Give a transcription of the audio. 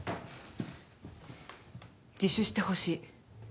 自首してほしい。